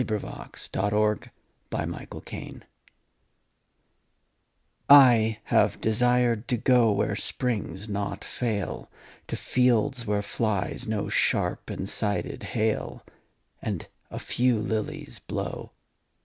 HOPWOOD I HAVE DESIRED TO GO I HAVE desired to go Where springs not fail, To fields where flies no sharp and sided hail, And a few lilies blow.